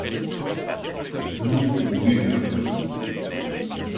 Nous, nous lûmes.